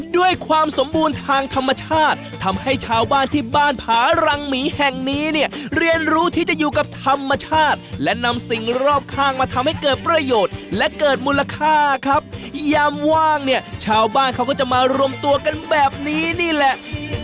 ด้วยความสมบูรณ์ทางธรรมชาติทำให้ชาวบ้านที่บ้านผารังหมีแห่งนี้เนี่ยเรียนรู้ที่จะอยู่กับธรรมชาติและนำสิ่งรอบข้างมาทำให้เกิดประโยชน์และเกิดมูลค่าครับยามว่างเนี่ยชาวบ้านเขาก็จะมารวมตัวกันแบบนี้นี่แหละ